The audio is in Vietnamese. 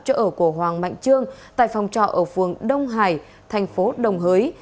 chỗ ở của hoàng mạnh trương tại phòng trọ ở phường đông hải thành phố đồng hới